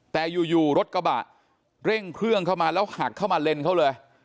แต่อยู่รถกระบะเร่งเครื่องเข้ามาแล้วหักเข้ามาเลนเขาเลย